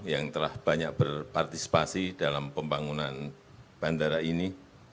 yang telah banyak berpartisipasi dalam pembangunan bandara ini